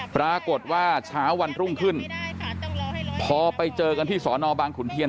ปรากฏว่าเช้าวันรุ่งขึ้นพอไปเจอกันที่สอนอบางขุนเทียน